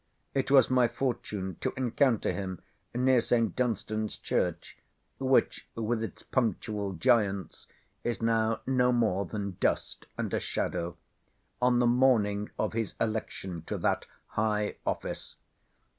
It was my fortune to encounter him near St. Dunstan's Church (which, with its punctual giants, is now no more than dust and a shadow), on the morning of his election to that high office.